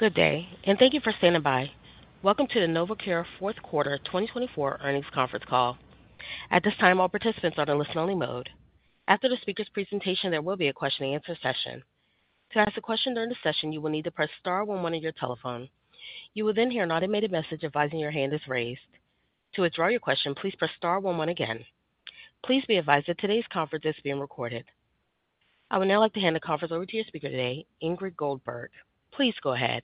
Good day, and thank you for standing by. Welcome to the Novocure Fourth Quarter 2024 earnings conference call. At this time, all participants are in a listen-only mode. After the speaker's presentation, there will be a question-and-answer session. To ask a question during the session, you will need to press star 11 on your telephone. You will then hear an automated message advising your hand is raised. To withdraw your question, please press star 11 again. Please be advised that today's conference is being recorded. I would now like to hand the conference over to your speaker today, Ingrid Goldberg. Please go ahead.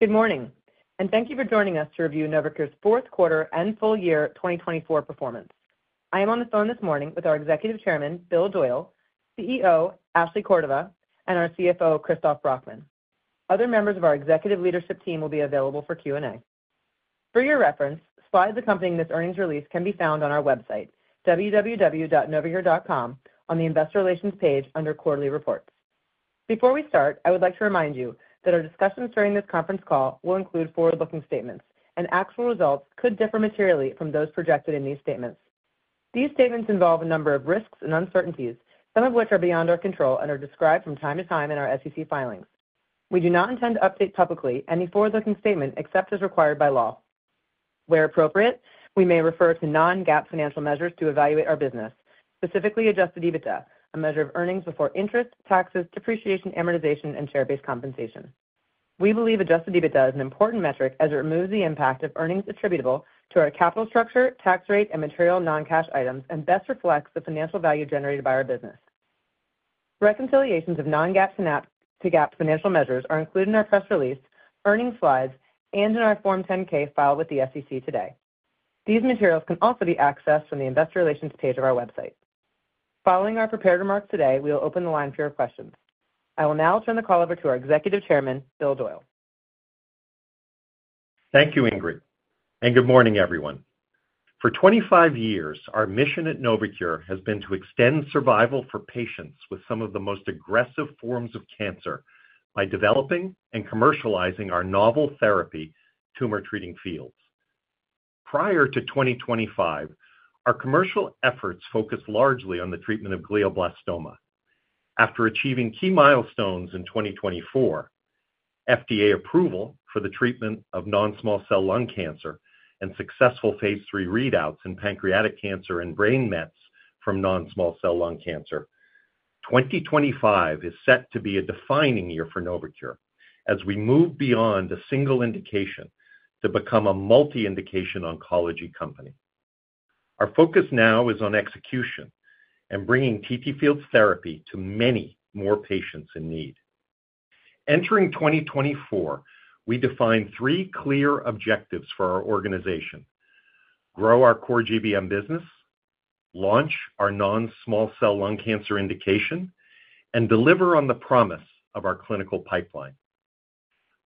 Good morning, and thank you for joining us to review Novocure's fourth quarter and full year 2024 performance. I am on the phone this morning with our Executive Chairman, Bill Doyle, CEO, Ashley Cordova, and our CFO, Christoph Brackmann. Other members of our Executive Leadership Team will be available for Q&A. For your reference, slides accompanying this earnings release can be found on our website, www.novocure.com, on the Investor Relations page under Quarterly Reports. Before we start, I would like to remind you that our discussions during this conference call will include forward-looking statements, and actual results could differ materially from those projected in these statements. These statements involve a number of risks and uncertainties, some of which are beyond our control and are described from time to time in our SEC filings. We do not intend to update publicly any forward-looking statement except as required by law. Where appropriate, we may refer to non-GAAP financial measures to evaluate our business, specifically Adjusted EBITDA, a measure of earnings before interest, taxes, depreciation, amortization, and share-based compensation. We believe Adjusted EBITDA is an important metric as it removes the impact of earnings attributable to our capital structure, tax rate, and material non-cash items, and best reflects the financial value generated by our business. Reconciliations of non-GAAP to GAAP financial measures are included in our press release, earnings slides, and in our Form 10-K filed with the SEC today. These materials can also be accessed from the Investor Relations page of our website. Following our prepared remarks today, we will open the line for your questions. I will now turn the call over to our Executive Chairman, Bill Doyle. Thank you, Ingrid. Good morning, everyone. For 25 years, our mission at Novocure has been to extend survival for patients with some of the most aggressive forms of cancer by developing and commercializing our novel therapy, Tumor Treating Fields. Prior to 2025, our commercial efforts focused largely on the treatment of glioblastoma. After achieving key milestones in 2024, FDA approval for the treatment of non-small cell lung cancer and successful Phase III readouts in pancreatic cancer and brain mets from non-small cell lung cancer, 2025 is set to be a defining year for Novocure as we move beyond a single indication to become a multi-indication oncology company. Our focus now is on execution and bringing TTFields therapy to many more patients in need. Entering 2024, we define three clear objectives for our organization: grow our core GBM business, launch our non-small cell lung cancer indication, and deliver on the promise of our clinical pipeline.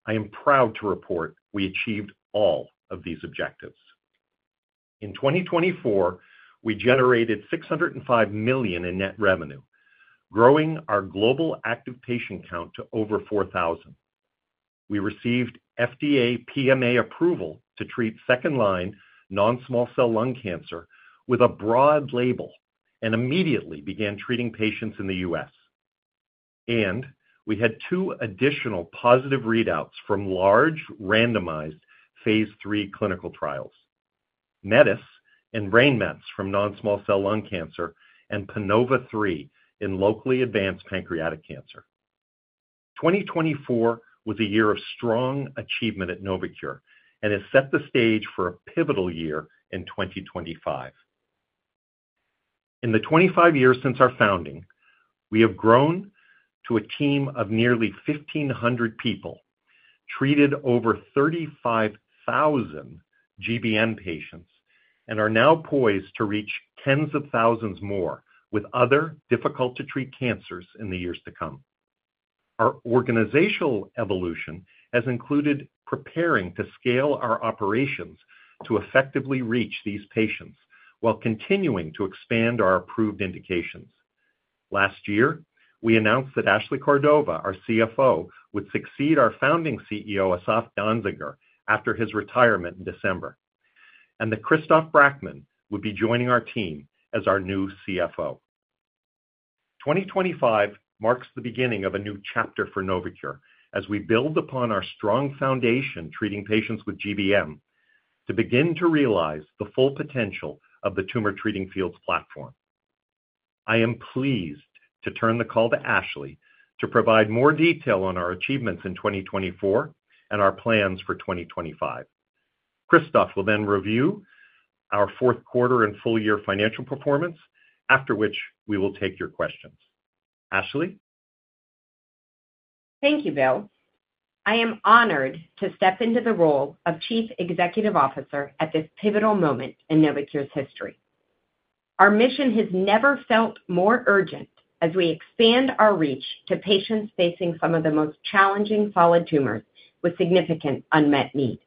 I am proud to report we achieved all of these objectives. In 2024, we generated $605 million in net revenue, growing our global active patient count to over 4,000. We received FDA PMA approval to treat second-line non-small cell lung cancer with a broad label and immediately began treating patients in the U.S. We had two additional positive readouts from large randomized Phase III clinical trials: METIS and brain mets from non-small cell lung cancer and PANOVA-3 in locally advanced pancreatic cancer. 2024 was a year of strong achievement at Novocure and has set the stage for a pivotal year in 2025. In the 25 years since our founding, we have grown to a team of nearly 1,500 people, treated over 35,000 GBM patients, and are now poised to reach tens of thousands more with other difficult-to-treat cancers in the years to come. Our organizational evolution has included preparing to scale our operations to effectively reach these patients while continuing to expand our approved indications. Last year, we announced that Ashley Cordova, our CFO, would succeed our founding CEO, Asaf Danziger, after his retirement in December, and that Christoph Brackmann would be joining our team as our new CFO. 2025 marks the beginning of a new chapter for Novocure as we build upon our strong foundation treating patients with GBM to begin to realize the full potential of the tumor-treating fields platform. I am pleased to turn the call to Ashley to provide more detail on our achievements in 2024 and our plans for 2025. Christoph will then review our fourth quarter and full year financial performance, after which we will take your questions. Ashley? Thank you, Bill. I am honored to step into the role of Chief Executive Officer at this pivotal moment in Novocure's history. Our mission has never felt more urgent as we expand our reach to patients facing some of the most challenging solid tumors with significant unmet need.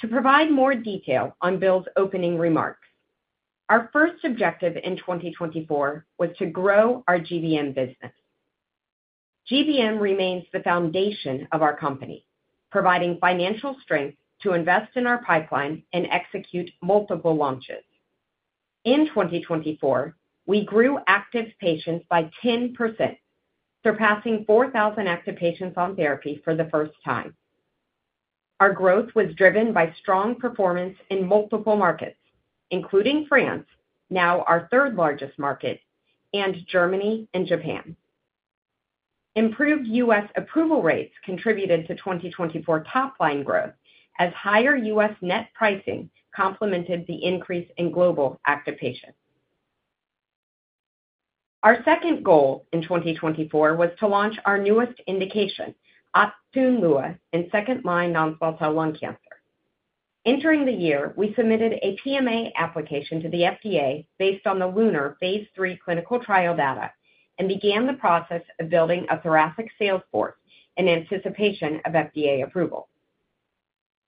To provide more detail on Bill's opening remarks, our first objective in 2024 was to grow our GBM business. GBM remains the foundation of our company, providing financial strength to invest in our pipeline and execute multiple launches. In 2024, we grew active patients by 10%, surpassing 4,000 active patients on therapy for the first time. Our growth was driven by strong performance in multiple markets, including France, now our third-largest market, and Germany and Japan. Improved U.S. approval rates contributed to 2024 top-line growth as higher U.S. net pricing complemented the increase in global active patients. Our second goal in 2024 was to launch our newest indication, Optune Lua, in second-line non-small cell lung cancer. Entering the year, we submitted a PMA application to the FDA based on the LUNAR Phase III clinical trial data and began the process of building a thoracic sales force in anticipation of FDA approval.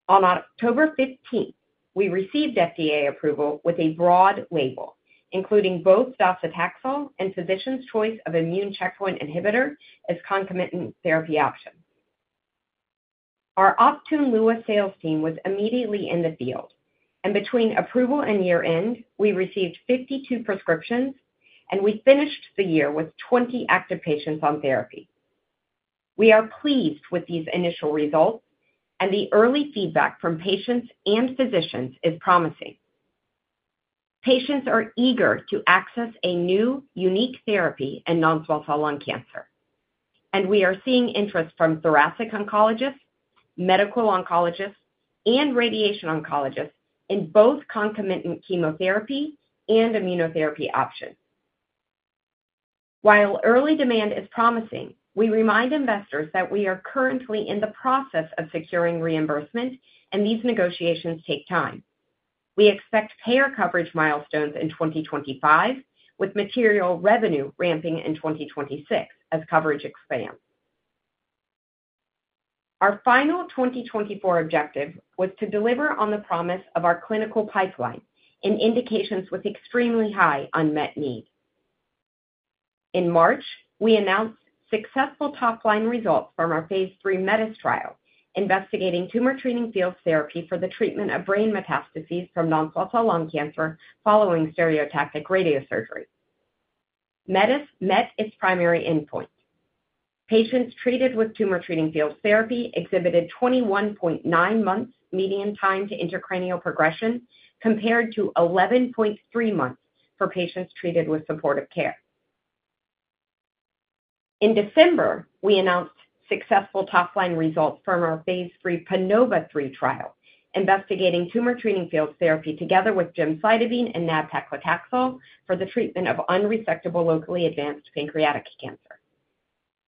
On October 15, we received FDA approval with a broad label, including both docetaxel and physician's choice of immune checkpoint inhibitor as concomitant therapy options. Our Optune Lua sales team was immediately in the field, and between approval and year-end, we received 52 prescriptions, and we finished the year with 20 active patients on therapy. We are pleased with these initial results, and the early feedback from patients and physicians is promising. Patients are eager to access a new, unique therapy in non-small cell lung cancer, and we are seeing interest from thoracic oncologists, medical oncologists, and radiation oncologists in both concomitant chemotherapy and immunotherapy options. While early demand is promising, we remind investors that we are currently in the process of securing reimbursement, and these negotiations take time. We expect payer coverage milestones in 2025, with material revenue ramping in 2026 as coverage expands. Our final 2024 objective was to deliver on the promise of our clinical pipeline in indications with extremely high unmet need. In March, we announced successful top-line results from our Phase III METIS trial investigating Tumor Treating Fields therapy for the treatment of brain metastases from non-small cell lung cancer following stereotactic radiosurgery. METIS met its primary endpoint. Patients treated with Tumor Treating Fields therapy exhibited 21.9 months median time to intracranial progression compared to 11.3 months for patients treated with supportive care. In December, we announced successful top-line results from our Phase III PANOVA-3 trial investigating Tumor Treating Fields therapy together with gemcitabine and nab-paclitaxel for the treatment of unresectable locally advanced pancreatic cancer.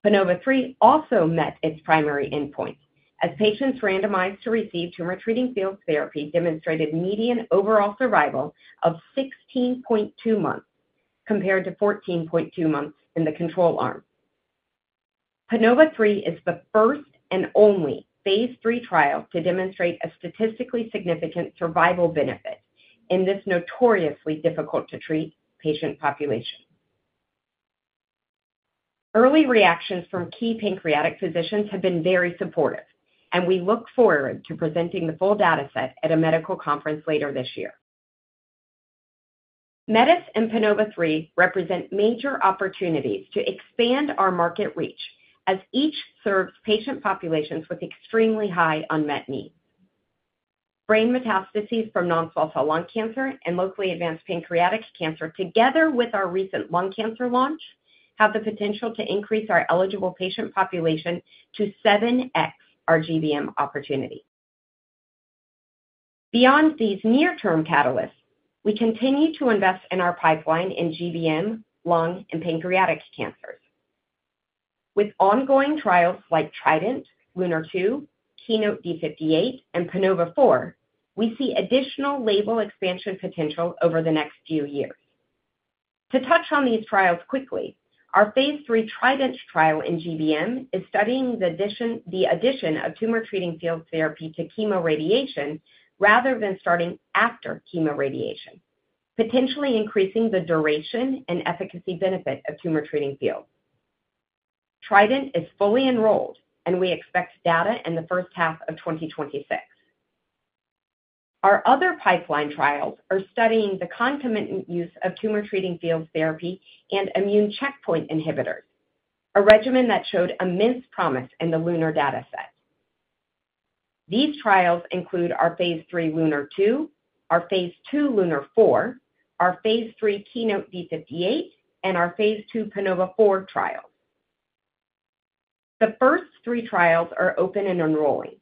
PANOVA-3 also met its primary endpoint as patients randomized to receive Tumor Treating Fields therapy demonstrated median overall survival of 16.2 months compared to 14.2 months in the control arm. PANOVA-3 is the first and only Phase III trial to demonstrate a statistically significant survival benefit in this notoriously difficult-to-treat patient population. Early reactions from key pancreatic physicians have been very supportive, and we look forward to presenting the full data set at a medical conference later this year. METIS and PANOVA-3 represent major opportunities to expand our market reach as each serves patient populations with extremely high unmet need. Brain metastases from non-small cell lung cancer and locally advanced pancreatic cancer, together with our recent lung cancer launch, have the potential to increase our eligible patient population to 7X our GBM opportunity. Beyond these near-term catalysts, we continue to invest in our pipeline in GBM, lung, and pancreatic cancers. With ongoing trials like TRIDENT, LUNAR-2, KEYNOTE-D58, and PANOVA-4, we see additional label expansion potential over the next few years. To touch on these trials quickly, our Phase III TRIDENT trial in GBM is studying the addition of Tumor Treating Fields therapy to chemoradiation rather than starting after chemoradiation, potentially increasing the duration and efficacy benefit of Tumor Treating Fields. TRIDENT is fully enrolled, and we expect data in the first half of 2026. Our other pipeline trials are studying the concomitant use of tumor-treating fields therapy and immune checkpoint inhibitors, a regimen that showed immense promise in the LUNAR data set. These trials include our Phase III LUNAR-2, our Phase II LUNAR-4, our Phase III KEYNOTE-D58, and our Phase II PANOVA-4 trials. The first three trials are open and enrolling.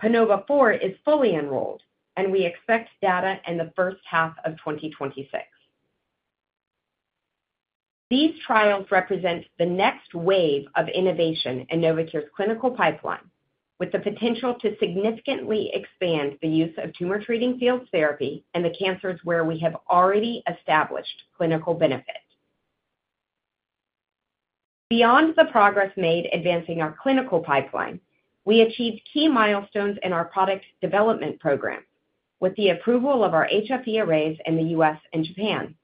PANOVA-4 is fully enrolled, and we expect data in the first half of 2026. These trials represent the next wave of innovation in Novocure's clinical pipeline, with the potential to significantly expand the use of tumor-treating fields therapy in the cancers where we have already established clinical benefit. Beyond the progress made advancing our clinical pipeline, we achieved key milestones in our product development program with the approval of our HFE arrays in the U.S. and Japan.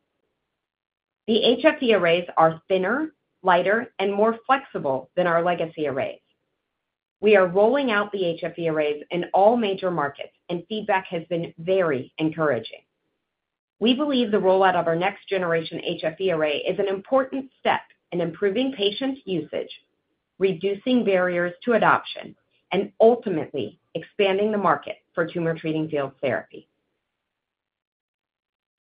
The HFE arrays are thinner, lighter, and more flexible than our legacy arrays. We are rolling out the HFE arrays in all major markets, and feedback has been very encouraging. We believe the rollout of our next-generation HFE array is an important step in improving patient usage, reducing barriers to adoption, and ultimately expanding the market for Tumor Treating Fields therapy.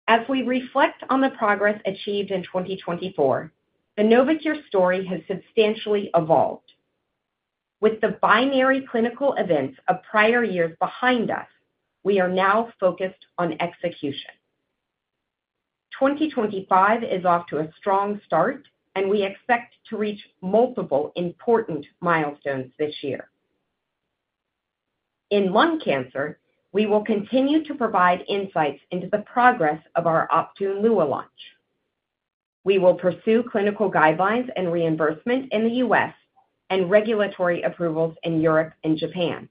As we reflect on the progress achieved in 2024, the Novocure story has substantially evolved. With the binary clinical events of prior years behind us, we are now focused on execution. 2025 is off to a strong start, and we expect to reach multiple important milestones this year. In lung cancer, we will continue to provide insights into the progress of our Optune Lua launch. We will pursue clinical guidelines and reimbursement in the U.S. and regulatory approvals in Europe and Japan.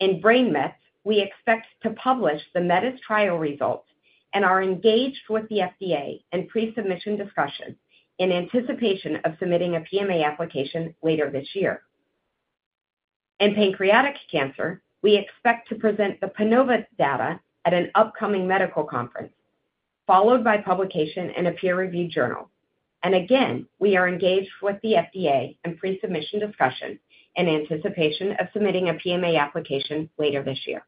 In brain mets, we expect to publish the METIS trial results and are engaged with the FDA in pre-submission discussion in anticipation of submitting a PMA application later this year. In pancreatic cancer, we expect to present the PANOVA data at an upcoming medical conference, followed by publication in a peer-reviewed journal, and again, we are engaged with the FDA in pre-submission discussion in anticipation of submitting a PMA application later this year.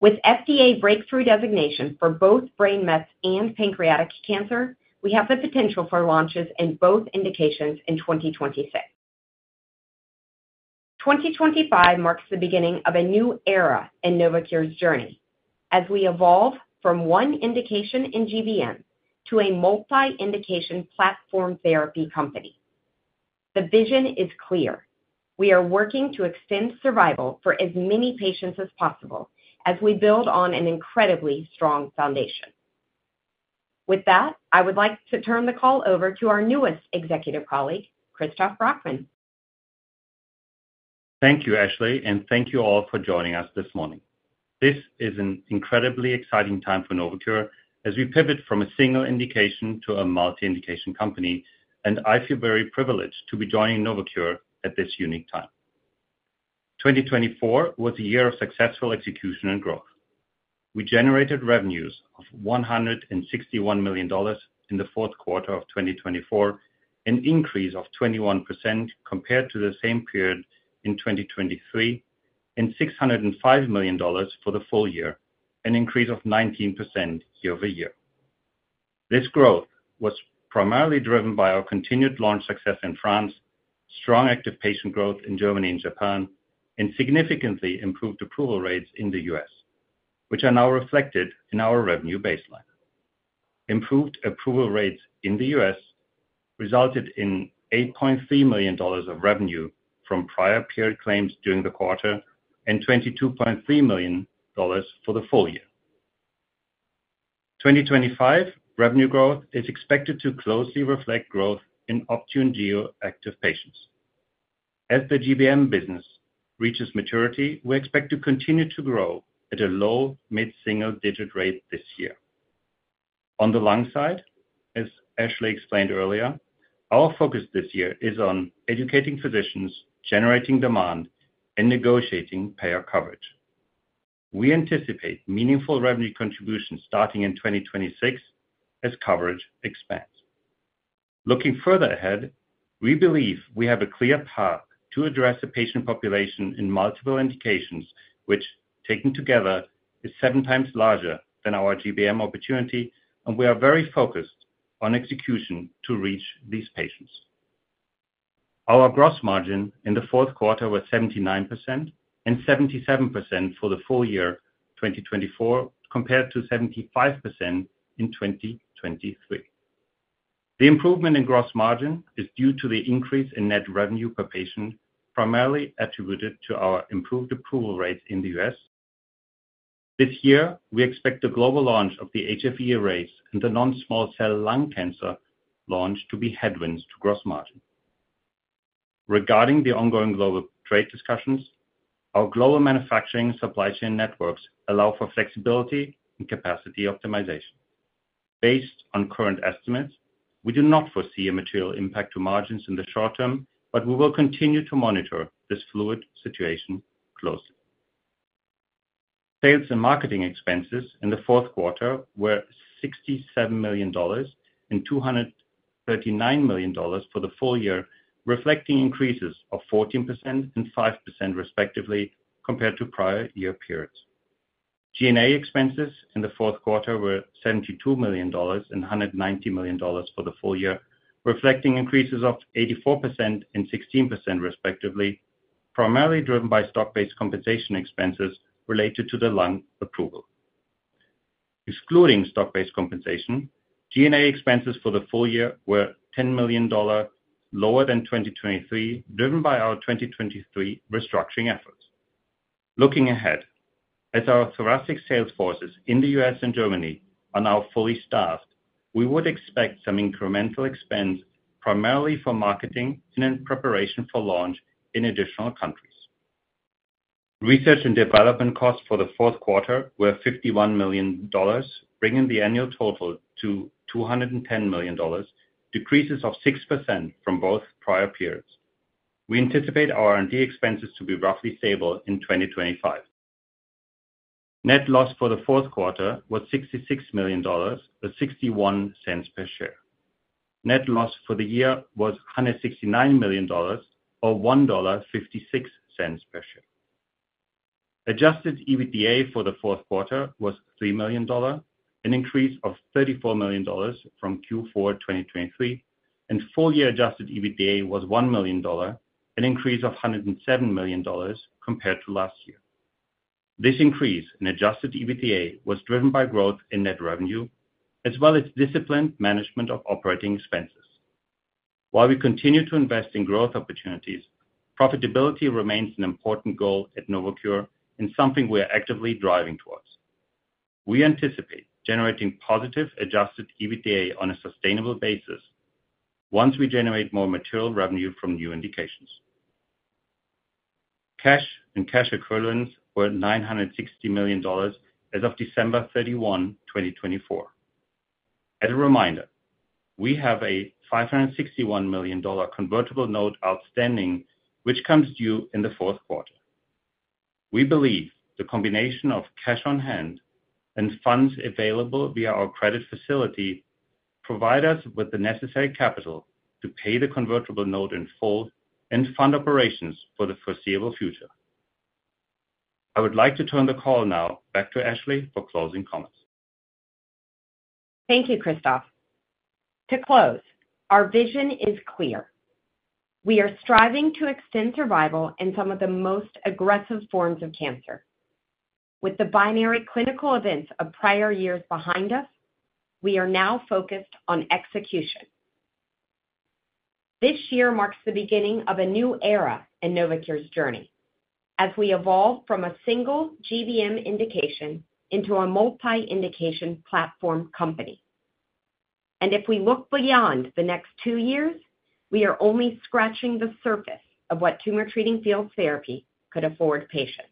With FDA breakthrough designation for both brain mets and pancreatic cancer, we have the potential for launches in both indications in 2026. 2025 marks the beginning of a new era in Novocure's journey as we evolve from one indication in GBM to a multi-indication platform therapy company. The vision is clear. We are working to extend survival for as many patients as possible as we build on an incredibly strong foundation. With that, I would like to turn the call over to our newest executive colleague, Christoph Brackmann. Thank you, Ashley, and thank you all for joining us this morning. This is an incredibly exciting time for Novocure as we pivot from a single indication to a multi-indication company, and I feel very privileged to be joining Novocure at this unique time. 2024 was a year of successful execution and growth. We generated revenues of $161 million in the fourth quarter of 2024, an increase of 21% compared to the same period in 2023, and $605 million for the full year, an increase of 19% year-over-year. This growth was primarily driven by our continued launch success in France, strong active patient growth in Germany and Japan, and significantly improved approval rates in the U.S., which are now reflected in our revenue baseline. Improved approval rates in the U.S. resulted in $8.3 million of revenue from prior period claims during the quarter and $22.3 million for the full year. 2025 revenue growth is expected to closely reflect growth in Optune Gio active patients. As the GBM business reaches maturity, we expect to continue to grow at a low, mid-single-digit rate this year. On the long side, as Ashley explained earlier, our focus this year is on educating physicians, generating demand, and negotiating payer coverage. We anticipate meaningful revenue contributions starting in 2026 as coverage expands. Looking further ahead, we believe we have a clear path to address a patient population in multiple indications, which taken together is seven times larger than our GBM opportunity, and we are very focused on execution to reach these patients. Our gross margin in the fourth quarter was 79% and 77% for the full year 2024, compared to 75% in 2023. The improvement in gross margin is due to the increase in net revenue per patient, primarily attributed to our improved approval rates in the U.S. This year, we expect the global launch of the HFE arrays and the non-small cell lung cancer launch to be headwinds to gross margin. Regarding the ongoing global trade discussions, our global manufacturing supply chain networks allow for flexibility and capacity optimization. Based on current estimates, we do not foresee a material impact to margins in the short term, but we will continue to monitor this fluid situation closely. Sales and marketing expenses in the fourth quarter were $67 million and $239 million for the full year, reflecting increases of 14% and 5% respectively compared to prior year periods. G&A expenses in the fourth quarter were $72 million and $190 million for the full year, reflecting increases of 84% and 16% respectively, primarily driven by stock-based compensation expenses related to the lung approval. Excluding stock-based compensation, G&A expenses for the full year were $10 million lower than 2023, driven by our 2023 restructuring efforts. Looking ahead, as our thoracic sales forces in the U.S. and Germany are now fully staffed, we would expect some incremental expense, primarily for marketing and preparation for launch in additional countries. Research and development costs for the fourth quarter were $51 million, bringing the annual total to $210 million, decreases of 6% from both prior periods. We anticipate our R&D expenses to be roughly stable in 2025. Net loss for the fourth quarter was $66 million, or $0.61 per share. Net loss for the year was $169 million, or $1.56 per share. Adjusted EBITDA for the fourth quarter was $3 million, an increase of $34 million from Q4 2023, and full-year adjusted EBITDA was $1 million, an increase of $107 million compared to last year. This increase in adjusted EBITDA was driven by growth in net revenue, as well as disciplined management of operating expenses. While we continue to invest in growth opportunities, profitability remains an important goal at Novocure and something we are actively driving towards. We anticipate generating positive adjusted EBITDA on a sustainable basis once we generate more material revenue from new indications. Cash and cash equivalents were $960 million as of December 31, 2024. As a reminder, we have a $561 million convertible note outstanding, which comes due in the fourth quarter. We believe the combination of cash on hand and funds available via our credit facility provide us with the necessary capital to pay the convertible note in full and fund operations for the foreseeable future. I would like to turn the call now back to Ashley for closing comments. Thank you, Christoph. To close, our vision is clear. We are striving to extend survival in some of the most aggressive forms of cancer. With the binary clinical events of prior years behind us, we are now focused on execution. This year marks the beginning of a new era in Novocure's journey as we evolve from a single GBM indication into a multi-indication platform company. And if we look beyond the next two years, we are only scratching the surface of what Tumor Treating Fields therapy could afford patients.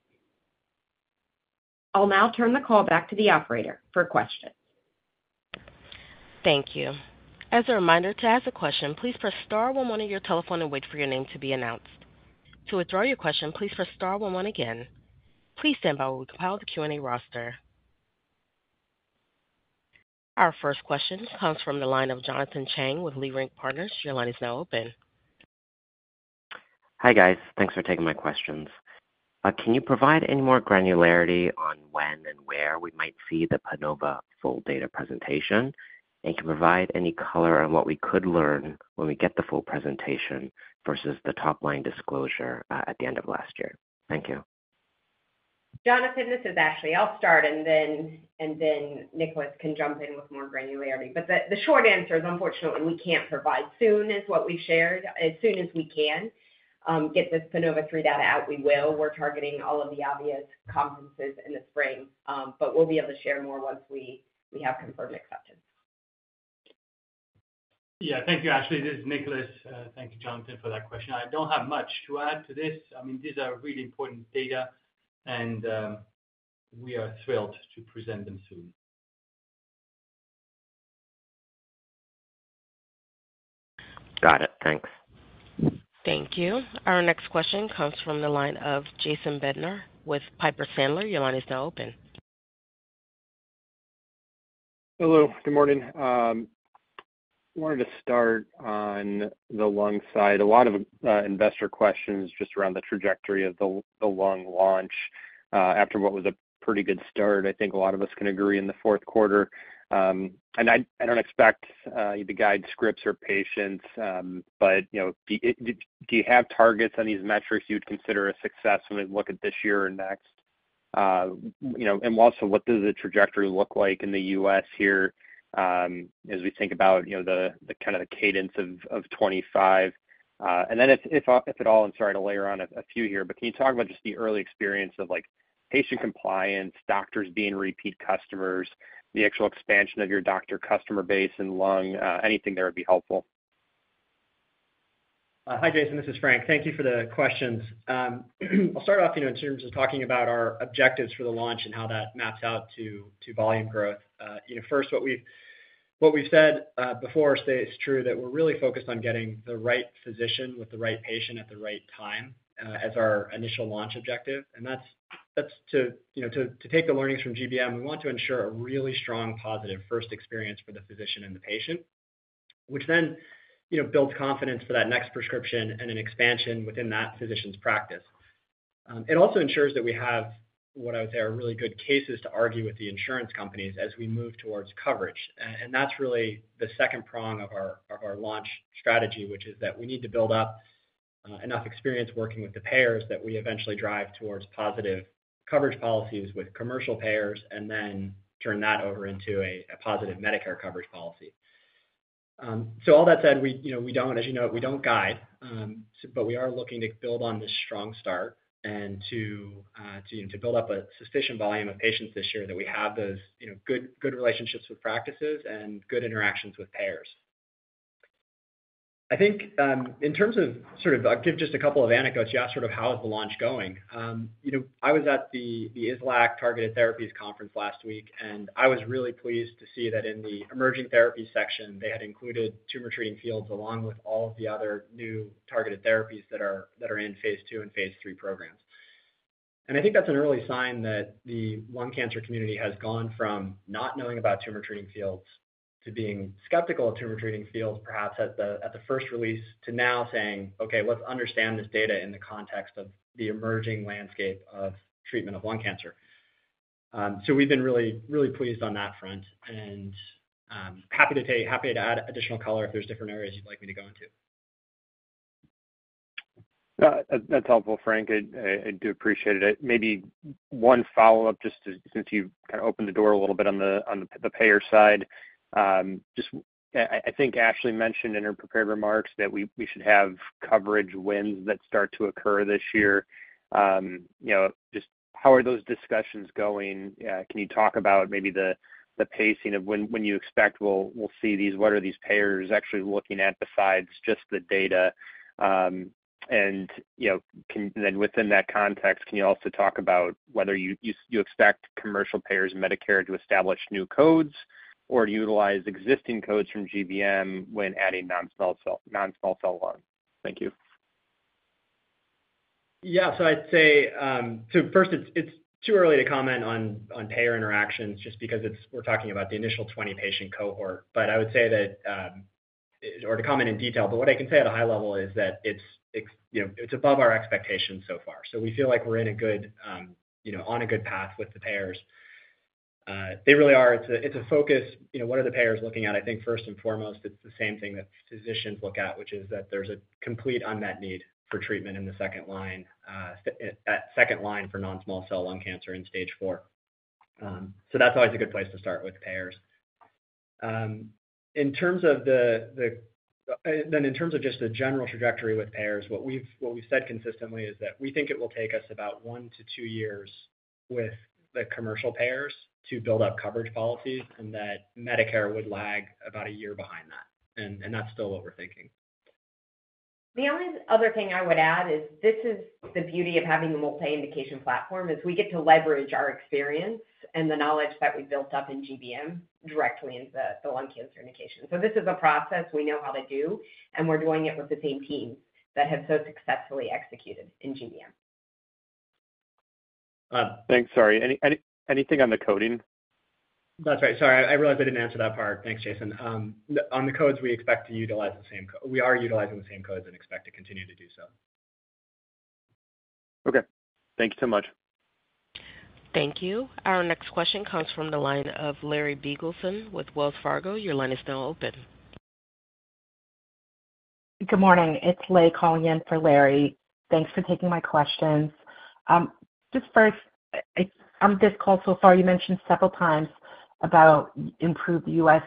I'll now turn the call back to the operator for questions. Thank you. As a reminder, to ask a question, please press star 11 on your telephone and wait for your name to be announced. To withdraw your question, please press star 11 again. Please stand by while we compile the Q&A roster. Our first question comes from the line of Jonathan Chang with Leerink Partners. Your line is now open. Hi guys. Thanks for taking my questions. Can you provide any more granularity on when and where we might see the PANOVA full data presentation and can provide any color on what we could learn when we get the full presentation versus the top-line disclosure at the end of last year? Thank you. Jonathan, this is Ashley. I'll start, and then Nicolas can jump in with more granularity. But the short answer is, unfortunately, we can't provide it any sooner than what we've shared. As soon as we can get this PANOVA-3 data out, we will. We're targeting all of the obvious conferences in the spring, but we'll be able to share more once we have confirmed acceptance. Yeah, thank you, Ashley. This is Nicolas. Thank you, Jonathan, for that question. I don't have much to add to this. I mean, these are really important data, and we are thrilled to present them soon. Got it. Thanks. Thank you. Our next question comes from the line of Jason Bednar with Piper Sandler. Your line is now open. Hello. Good morning. I wanted to start on the lung side. A lot of investor questions just around the trajectory of the lung launch after what was a pretty good start. I think a lot of us can agree in the fourth quarter. And I don't expect you to guide scripts or patients, but do you have targets on these metrics you'd consider a success when we look at this year or next? And also, what does the trajectory look like in the U.S. here as we think about the kind of cadence of 2025? And then if at all, and sorry to layer on a few here, but can you talk about just the early experience of patient compliance, doctors being repeat customers, the actual expansion of your doctor customer base and lung? Anything there would be helpful. Hi, Jason. This is Frank. Thank you for the questions. I'll start off in terms of talking about our objectives for the launch and how that maps out to volume growth. First, what we've said before stays true, that we're really focused on getting the right physician with the right patient at the right time as our initial launch objective. And that's to take the learnings from GBM. We want to ensure a really strong positive first experience for the physician and the patient, which then builds confidence for that next prescription and an expansion within that physician's practice. It also ensures that we have, what I would say, are really good cases to argue with the insurance companies as we move towards coverage. That's really the second prong of our launch strategy, which is that we need to build up enough experience working with the payers that we eventually drive towards positive coverage policies with commercial payers and then turn that over into a positive Medicare coverage policy. All that said, as you know, we don't guide, but we are looking to build on this strong start and to build up a sufficient volume of patients this year that we have those good relationships with practices and good interactions with payers. I think in terms of sort of I'll give just a couple of anecdotes just sort of how is the launch going. I was at the IASLC Targeted Therapies conference last week, and I was really pleased to see that in the emerging therapies section, they had included Tumor Treating Fields along with all of the other new targeted therapies that are in Phase II and Phase III programs. I think that's an early sign that the lung cancer community has gone from not knowing about Tumor Treating Fields to being skeptical of Tumor Treating Fields, perhaps at the first release, to now saying, "Okay, let's understand this data in the context of the emerging landscape of treatment of lung cancer." We've been really pleased on that front and happy to add additional color if there's different areas you'd like me to go into. That's helpful, Frank. I do appreciate it. Maybe one follow-up just since you kind of opened the door a little bit on the payer side. I think Ashley mentioned in her prepared remarks that we should have coverage wins that start to occur this year. Just how are those discussions going? Can you talk about maybe the pacing of when you expect we'll see these? What are these payers actually looking at besides just the data? And then within that context, can you also talk about whether you expect commercial payers and Medicare to establish new codes or utilize existing codes from GBM when adding non-small cell lung? Thank you. Yeah. So I'd say, so first, it's too early to comment on payer interactions just because we're talking about the initial 20-patient cohort. But I would say that, or to comment in detail, but what I can say at a high level is that it's above our expectations so far. So we feel like we're on a good path with the payers. They really are. It's a focus. What are the payers looking at? I think first and foremost, it's the same thing that physicians look at, which is that there's a complete unmet need for treatment in the second line for non-small cell lung cancer in stage four. So that's always a good place to start with payers. Then in terms of just the general trajectory with payers, what we've said consistently is that we think it will take us about one to two years with the commercial payers to build up coverage policies and that Medicare would lag about a year behind that. And that's still what we're thinking. The only other thing I would add is, this is the beauty of having a multi-indication platform. We get to leverage our experience and the knowledge that we've built up in GBM directly into the lung cancer indication. This is a process we know how to do, and we're doing it with the same teams that have so successfully executed in GBM. Thanks, sorry. Anything on the coding? That's right. Sorry, I realized I didn't answer that part. Thanks, Jason. On the codes, we expect to utilize the same code. We are utilizing the same codes and expect to continue to do so. Okay. Thank you so much. Thank you. Our next question comes from the line of Larry Biegelsen with Wells Fargo. Your line is now open. Good morning. It's Leigh calling in for Larry. Thanks for taking my questions. Just first, on this call so far, you mentioned several times about improved U.S.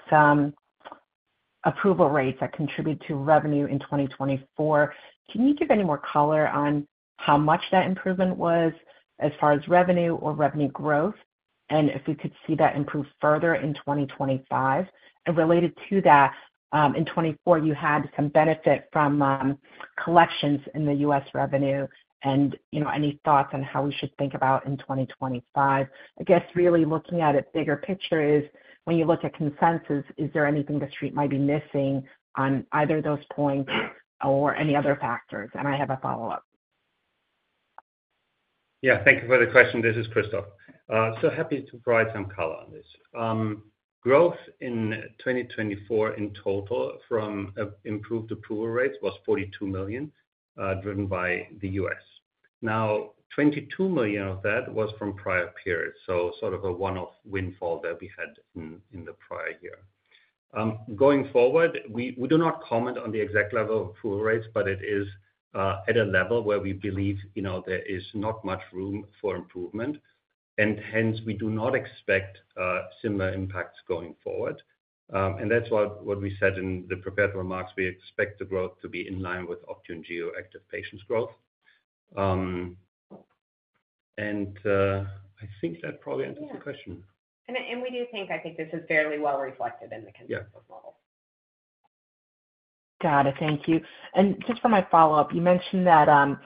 approval rates that contribute to revenue in 2024. Can you give any more color on how much that improvement was as far as revenue or revenue growth and if we could see that improve further in 2025? And related to that, in 2024, you had some benefit from collections in the U.S. revenue. And any thoughts on how we should think about in 2025? I guess really looking at it bigger picture is when you look at consensus, is there anything the street might be missing on either of those points or any other factors? And I have a follow-up. Yeah. Thank you for the question. This is Christoph. So happy to provide some color on this. Growth in 2024 in total from improved approval rates was $42 million, driven by the U.S. Now, $22 million of that was from prior periods, so sort of a one-off windfall that we had in the prior year. Going forward, we do not comment on the exact level of approval rates, but it is at a level where we believe there is not much room for improvement, and hence we do not expect similar impacts going forward. And that's what we said in the prepared remarks. We expect the growth to be in line with Optune Gio active patients' growth. And I think that probably answers the question. We do think, I think this is fairly well reflected in the consensus model. Got it. Thank you. And just for my follow-up, you mentioned the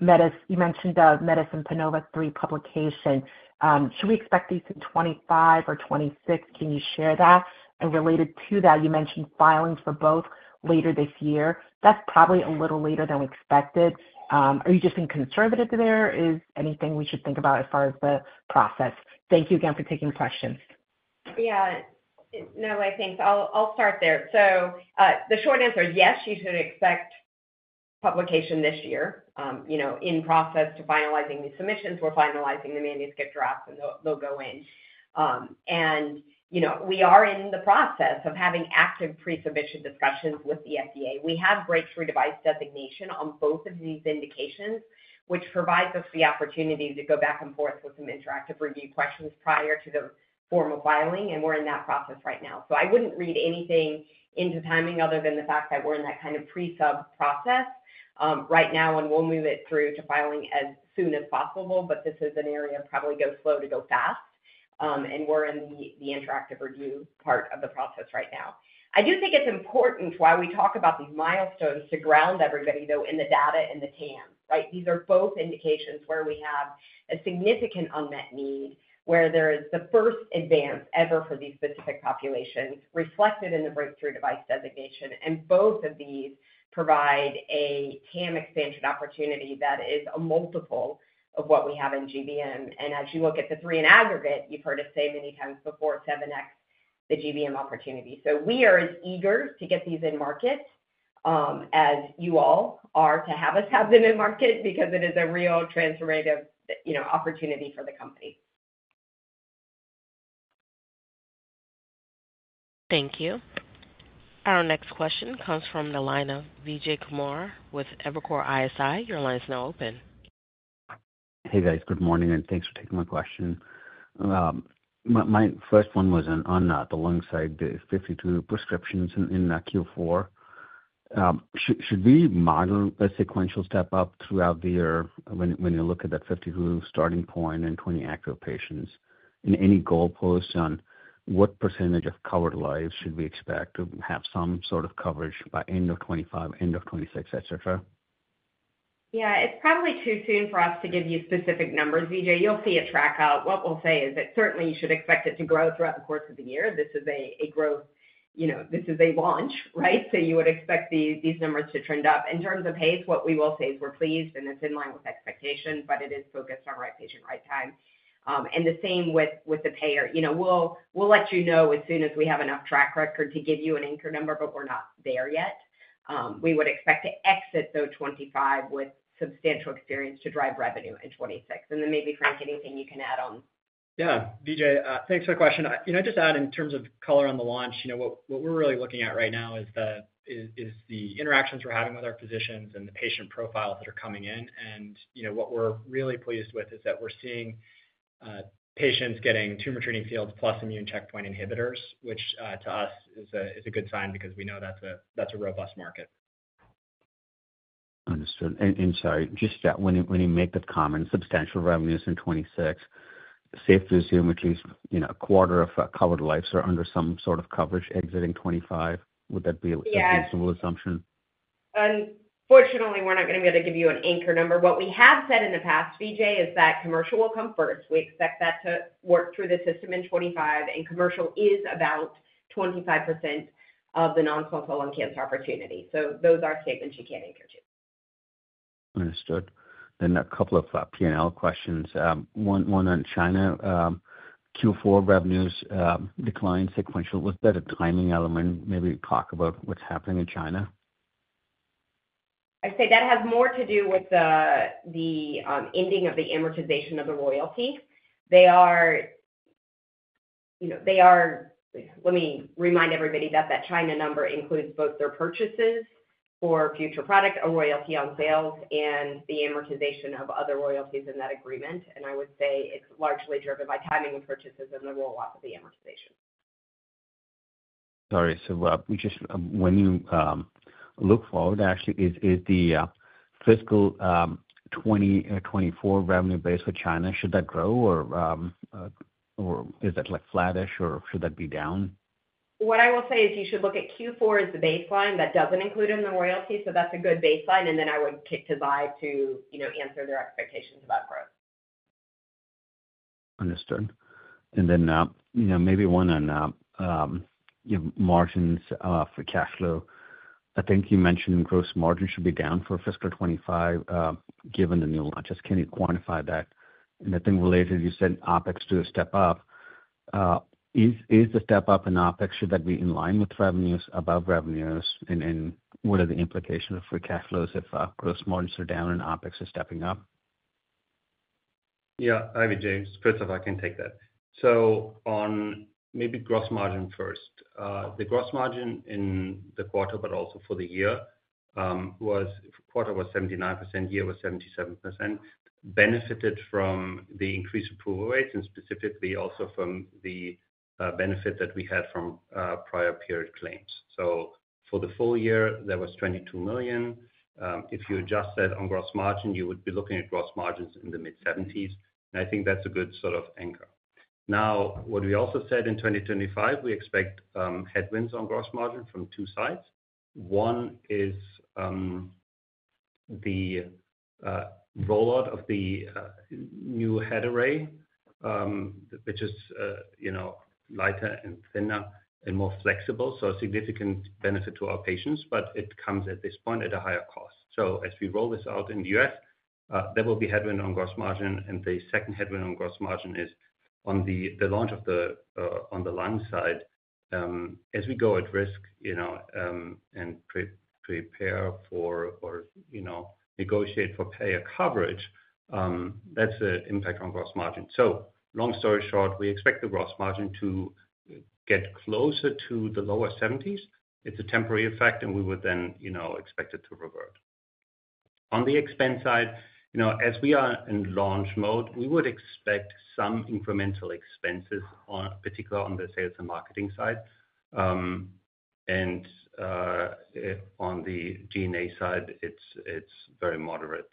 PANOVA-3 publication. Should we expect these in 2025 or 2026? Can you share that? And related to that, you mentioned filing for both later this year. That's probably a little later than we expected. Are you just being conservative there? Is there anything we should think about as far as the process? Thank you again for taking the questions. Yeah. No, I think I'll start there. So the short answer is yes, you should expect publication this year. In process to finalizing these submissions, we're finalizing the manuscript drafts, and they'll go in. And we are in the process of having active pre-submission discussions with the FDA. We have Breakthrough Device Designation on both of these indications, which provides us the opportunity to go back and forth with some interactive review questions prior to the formal filing, and we're in that process right now. So I wouldn't read anything into timing other than the fact that we're in that kind of pre-sub process right now, and we'll move it through to filing as soon as possible, but this is an area of probably go slow to go fast. And we're in the interactive review part of the process right now. I do think it's important why we talk about these milestones to ground everybody, though, in the data and the TAM, right? These are both indications where we have a significant unmet need, where there is the first advance ever for these specific populations reflected in the breakthrough device designation. And both of these provide a TAM expansion opportunity that is a multiple of what we have in GBM. And as you look at the three in aggregate, you've heard us say many times before, 7X the GBM opportunity. So we are as eager to get these in market as you all are to have us have them in market because it is a real transformative opportunity for the company. Thank you. Our next question comes from the line of Vijay Kumar with Evercore ISI. Your line is now open. Hey guys, good morning, and thanks for taking my question. My first one was on the lung side, the 52 prescriptions in Q4. Should we model a sequential step up throughout the year when you look at the 52 starting point and 20 active patients? And any goal posts on what percentage of covered lives should we expect to have some sort of coverage by end of 2025, end of 2026, etc.? Yeah. It's probably too soon for us to give you specific numbers, Vijay. You'll see traction. What we'll say is that certainly you should expect it to grow throughout the course of the year. This is a growth. This is a launch, right? So you would expect these numbers to trend up. In terms of pace, what we will say is we're pleased, and it's in line with expectation, but it is focused on right patient, right time. And the same with the payer. We'll let you know as soon as we have enough track record to give you an anchor number, but we're not there yet. We would expect to exit the year 2025 with substantial experience to drive revenue in 2026. And then maybe, Frank, anything you can add on. Yeah. Vijay, thanks for the question. Just to add, in terms of color on the launch, what we're really looking at right now is the interactions we're having with our physicians and the patient profiles that are coming in. And what we're really pleased with is that we're seeing patients getting Tumor Treating Fields plus Immune Checkpoint Inhibitors, which to us is a good sign because we know that's a robust market. Understood, and sorry, just when you make that comment, substantial revenues in 2026, safe to assume at least a quarter of covered lives are under some sort of coverage exiting 2025. Would that be a reasonable assumption? Yeah. Unfortunately, we're not going to be able to give you an anchor number. What we have said in the past, Vijay, is that commercial will come first. We expect that to work through the system in 2025, and commercial is about 25% of the non-small cell lung cancer opportunity. So those are statements you can't anchor to. Understood. Then a couple of P&L questions. One on China. Q4 revenues declined sequentially. Was that a timing element? Maybe talk about what's happening in China. I'd say that has more to do with the ending of the amortization of the royalty. Let me remind everybody that that China number includes both their purchases for future product or royalty on sales and the amortization of other royalties in that agreement. And I would say it's largely driven by timing of purchases and the rollout of the amortization. Sorry. So when you look forward, actually, is the fiscal 2024 revenue base for China should that grow, or is that flat-ish, or should that be down? What I will say is you should look at Q4 as the baseline that doesn't include in the royalty. So that's a good baseline, and then I would kick to Zai to answer their expectations about growth. Understood. And then maybe one on margins for cash flow. I think you mentioned gross margin should be down for fiscal 2025 given the new launches. Can you quantify that? And I think related, you said OpEx do a step up. Is the step up in OpEx, should that be in line with revenues, above revenues, and what are the implications for cash flows if gross margins are down and OpEx is stepping up? Yeah. Hi, James. Christoph, I can take that. So on maybe gross margin first. The gross margin in the quarter, but also for the year, was quarter was 79%, year was 77%, benefited from the increased approval rates and specifically also from the benefit that we had from prior period claims. So for the full year, that was $22 million. If you adjust that on gross margin, you would be looking at gross margins in the mid-70s. And I think that's a good sort of anchor. Now, what we also said in 2025, we expect headwinds on gross margin from two sides. One is the rollout of the new head array, which is lighter and thinner and more flexible. So a significant benefit to our patients, but it comes at this point at a higher cost. So as we roll this out in the U.S., there will be headwind on gross margin, and the second headwind on gross margin is on the launch of the lung side. As we go at risk and prepare for or negotiate for payer coverage, that's an impact on gross margin. So long story short, we expect the gross margin to get closer to the lower 70s. It's a temporary effect, and we would then expect it to revert. On the expense side, as we are in launch mode, we would expect some incremental expenses, particularly on the sales and marketing side, and on the G&A side, it's very moderate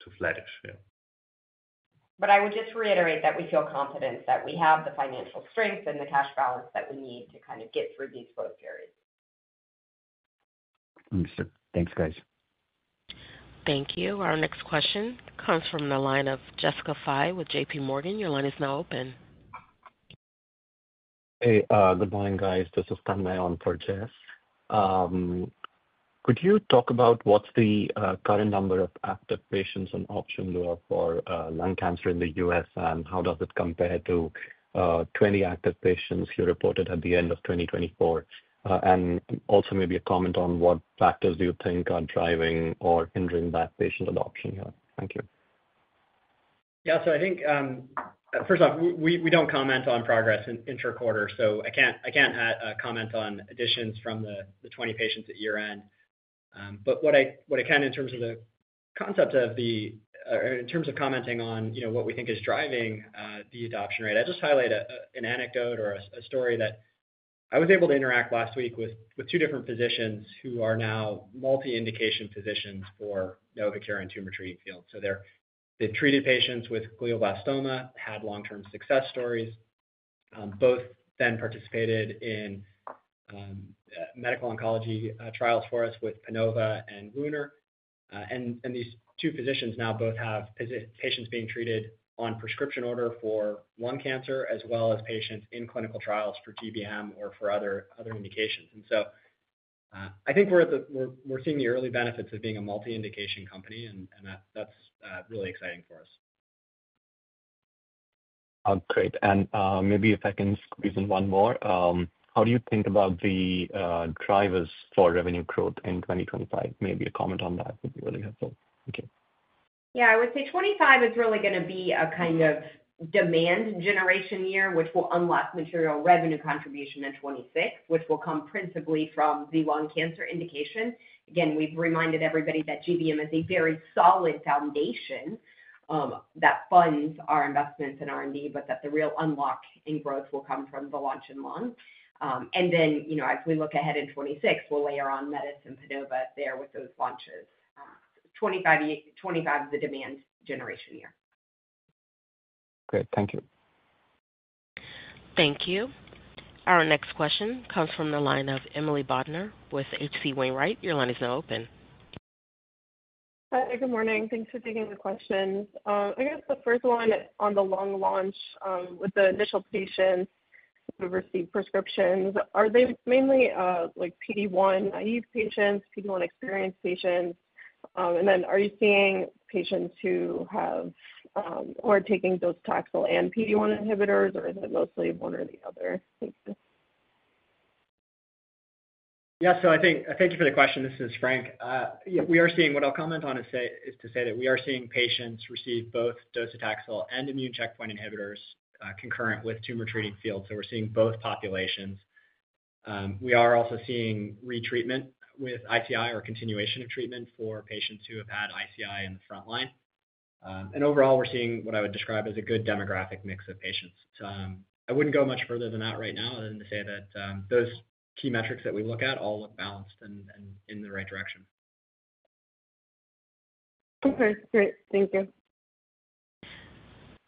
to flattish. But I would just reiterate that we feel confident that we have the financial strength and the cash balance that we need to kind of get through these growth periods. Understood. Thanks, guys. Thank you. Our next question comes from the line of Jessica Fye with J.P. Morgan. Your line is now open. Hey, good morning, guys. This is Callum on for Jessica. Could you talk about what's the current number of active patients on Optune for lung cancer in the U.S., and how does it compare to 20 active patients you reported at the end of 2024? And also maybe a comment on what factors do you think are driving or hindering that patient adoption here? Thank you. Yeah. So I think, first off, we don't comment on progress in intra-quarters. So I can't comment on additions from the 20 patients at year-end. But what I can in terms of the concept, or in terms of commenting on what we think is driving the adoption rate, I just highlight an anecdote or a story that I was able to interact last week with two different physicians who are now multi-indication physicians for Novocure and Tumor Treating Fields. So they've treated patients with Glioblastoma, had long-term success stories. Both then participated in medical oncology trials for us with PANOVA and LUNAR. And these two physicians now both have patients being treated on prescription order for lung cancer as well as patients in clinical trials for GBM or for other indications. And so I think we're seeing the early benefits of being a multi-indication company, and that's really exciting for us. Great. And maybe if I can squeeze in one more, how do you think about the drivers for revenue growth in 2025? Maybe a comment on that would be really helpful. Thank you. Yeah. I would say 2025 is really going to be a kind of demand generation year, which will unlock material revenue contribution in 2026, which will come principally from the lung cancer indication. Again, we've reminded everybody that GBM is a very solid foundation that funds our investments in R&D, but that the real unlock in growth will come from the launch in lung. And then as we look ahead in 2026, we'll layer on PANOVA there with those launches. 2025 is the demand generation year. Great. Thank you. Thank you. Our next question comes from the line of Emily Bodnar with H.C. Wainwright. Your line is now open. Hi. Good morning. Thanks for taking the questions. I guess the first one on the lung launch with the initial patients who received prescriptions, are they mainly PD-1 naive patients, PD-1 experienced patients? And then are you seeing patients who are taking docetaxel and PD-1 inhibitors, or is it mostly one or the other? Thank you. Yeah, so I thank you for the question. This is Frank. We are seeing what I'll comment on is to say that we are seeing patients receive both docetaxel and immune checkpoint inhibitors concurrent with Tumor Treating Fields, so we're seeing both populations. We are also seeing retreatment with ICI or continuation of treatment for patients who have had ICI in the front line, and overall, we're seeing what I would describe as a good demographic mix of patients. I wouldn't go much further than that right now other than to say that those key metrics that we look at all look balanced and in the right direction. Okay. Great. Thank you.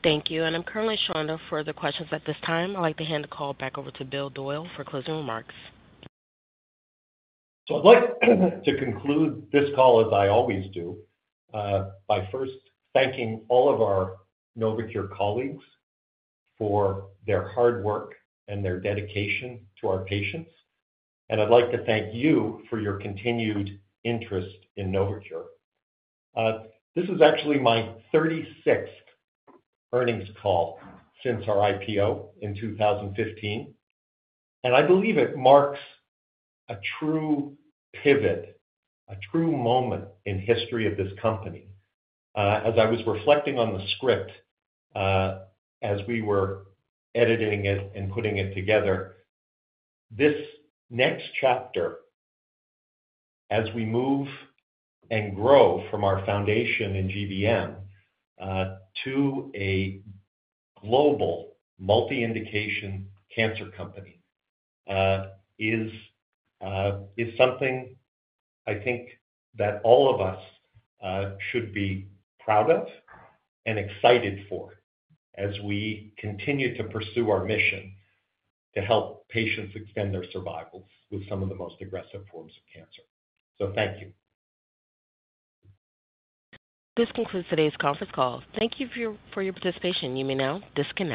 Thank you. And I'm currently showing no further questions at this time. I'd like to hand the call back over to Bill Doyle for closing remarks. I'd like to conclude this call, as I always do, by first thanking all of our Novocure colleagues for their hard work and their dedication to our patients. And I'd like to thank you for your continued interest in Novocure. This is actually my 36th earnings call since our IPO in 2015. And I believe it marks a true pivot, a true moment in history of this company. As I was reflecting on the script as we were editing it and putting it together, this next chapter, as we move and grow from our foundation in GBM to a global multi-indication cancer company, is something I think that all of us should be proud of and excited for as we continue to pursue our mission to help patients extend their survivals with some of the most aggressive forms of cancer. So thank you. This concludes today's conference call. Thank you for your participation. You may now disconnect.